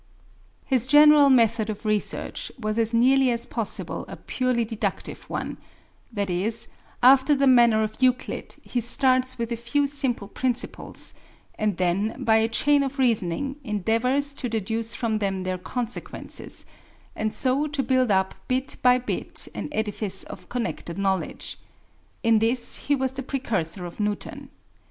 His general method of research was as nearly as possible a purely deductive one: i.e., after the manner of Euclid he starts with a few simple principles, and then, by a chain of reasoning, endeavours to deduce from them their consequences, and so to build up bit by bit an edifice of connected knowledge. In this he was the precursor of Newton.